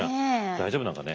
大丈夫なのかね？